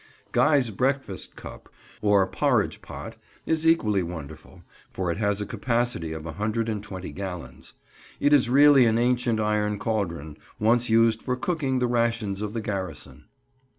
"Guy's breakfast cup, or porridge pot" is equally wonderful, for it has a capacity of a hundred and twenty gallons. It is really an ancient iron cauldron, once used for cooking the rations of the garrison.